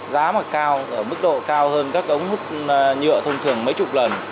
giá mà cao ở mức độ cao hơn các ống hút nhựa thông thường mấy chục lần